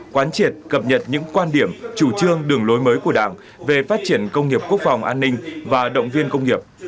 quán triệt cập nhật những quan điểm chủ trương đường lối mới của đảng về phát triển công nghiệp quốc phòng an ninh và động viên công nghiệp